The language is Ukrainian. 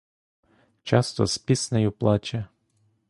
Часто з піснею плаче.